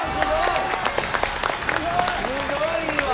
すごいわ！